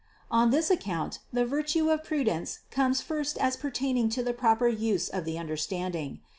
On this account the virtue of prudence comes first as pertaining to the proper use of the understanding.